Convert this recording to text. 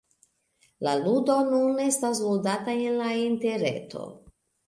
La ludo nun estas ludata en la interreto.